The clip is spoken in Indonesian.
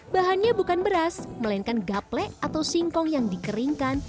bahannya bukan beras melainkan gaplek atau singkong yang dikeringkan